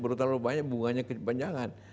baru terlalu banyak bunganya kepanjangan